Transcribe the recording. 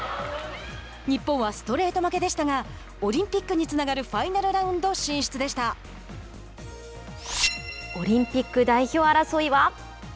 日本はストレート負けでしたがオリンピックにつながるオリンピック代表争いは。